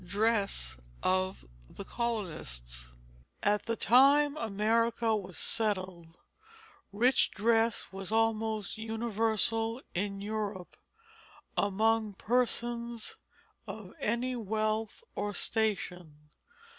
CHAPTER XII DRESS OF THE COLONISTS At the time America was settled, rich dress was almost universal in Europe among persons of any wealth or station.